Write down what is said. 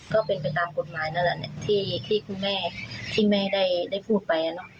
ก็เป็นไปตามกฎหมายนั่นแหละที่คุณแม่ที่แม่ได้พูดไป